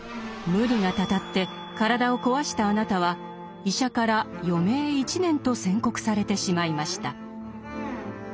無理がたたって体を壊したあなたは医者から余命１年と宣告されてしまいました。